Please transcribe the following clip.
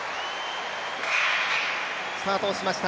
スタートをしました。